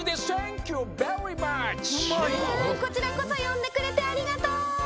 こちらこそよんでくれてありがとう！